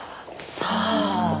さあ。